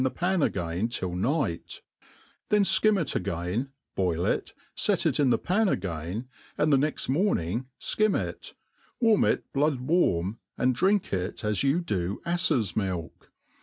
^the pan again till night ; then fkim it again, boll it, fet it in the pari ag|»in, and the ne^^t mornipg fkim it, warm it blood warm, and drink it a$ you do aftes milk.